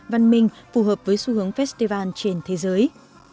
văn minh phù hợp với xu hướng festival trên thế giới